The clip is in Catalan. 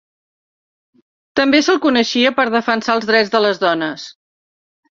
També se'l coneixia per defensar els drets de les dones.